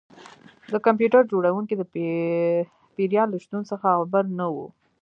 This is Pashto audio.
د کمپیوټر جوړونکی د پیریان له شتون څخه خبر نه و